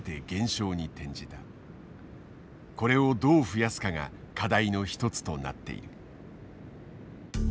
これをどう増やすかが課題の一つとなっている。